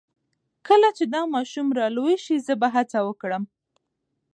کله چې دا ماشوم را لوی شي زه به هڅه وکړم